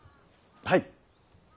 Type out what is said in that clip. はい。